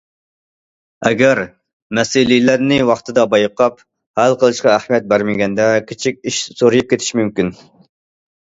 ئەگەر، مەسىلىلەرنى ۋاقتىدا بايقاپ، ھەل قىلىشقا ئەھمىيەت بەرمىگەندە، كىچىك ئىش زورىيىپ كېتىشى مۇمكىن.